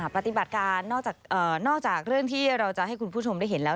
ปฏิบัติการนอกจากเรื่องที่เราจะให้คุณผู้ชมได้เห็นแล้ว